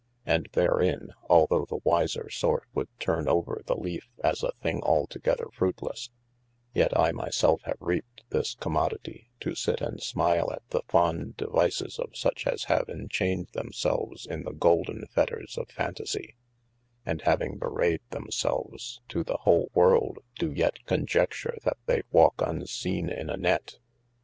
And therin (although the wiser sort wold turne over the leafe as a thing altogether fruitlesse) yet I my selfe have reaped this commo ditie, to sit and smile at the fond devises of such as have enchayned them selves in the golden fetters of fantasie, and having bewrayed them selves to the whole world, do yet conjecture y1 they walke unseene in a net.